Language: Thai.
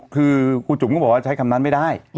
คือครูจุ๋มก็บอกว่าใช้คำนั้นไม่ได้